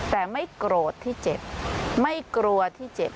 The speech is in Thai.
แต่ไม่โกรธที่เจ็บไม่กลัวที่เจ็บ